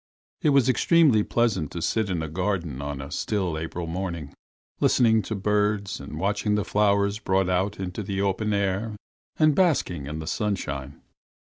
It is extremely pleasant to sit in a garden on a still April morning, listening to the birds, and watching the flowers brought out into the open air and basking in the sunshine.